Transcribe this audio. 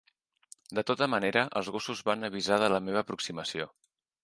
De tota manera, els gossos van avisar de la meva aproximació.